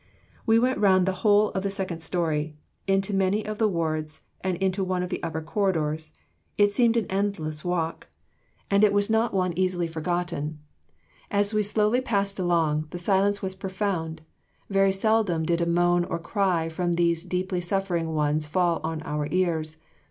"We went round the whole of the second story, into many of the wards and into one of the upper corridors. It seemed an endless walk, and it was one not easily forgotten. As we slowly passed along, the silence was profound; very seldom did a moan or cry from those deeply suffering ones fall on our ears.